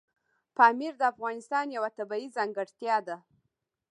پامیر د افغانستان یوه طبیعي ځانګړتیا ده.